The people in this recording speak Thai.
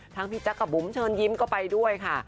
พี่แจ๊กกับบุ๋มเชิญยิ้มก็ไปด้วยค่ะ